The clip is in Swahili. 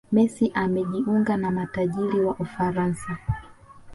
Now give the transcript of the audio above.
messi amejiunga na matajiri wa ufaransa